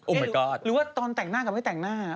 โอ้มายก๊อดหรือว่าตอนแต่งหน้ากันไม่แต่งหน้า